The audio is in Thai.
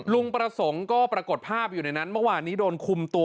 ลุงประสงค์ก็ปรากฏภาพอยู่ในนั้นเมื่อวานนี้โดนคุมตัว